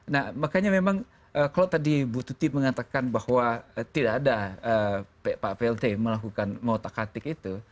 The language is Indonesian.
nah makanya memang kalau tadi bu tuti mengatakan bahwa tidak ada pak plt melakukan motak atik itu